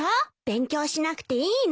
勉強しなくていいの？